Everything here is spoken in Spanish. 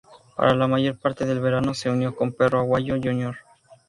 Para la mayor parte del verano, se unió con Perro Aguayo, Jr.